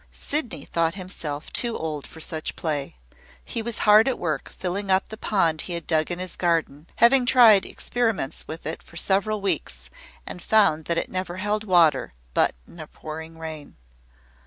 Sydney thought himself too old for such play. He was hard at work, filling up the pond he had dug in his garden, having tried experiments with it for several weeks, and found that it never held water but in a pouring rain.